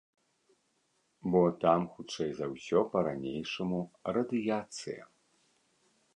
Бо там хутчэй за ўсё па-ранейшаму радыяцыя.